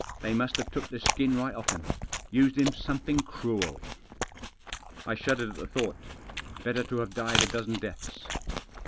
They must have took the skin right off him — used him something cruel." I shuddered at the thought Better to have died a dozen deaths.